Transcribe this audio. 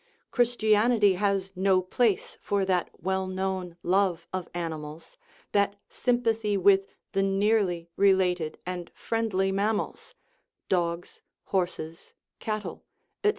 Christianity has no place for that well known love of animals, that sympathy with the nearly related and friendly mammals (dogs, horses, cattle, etc.)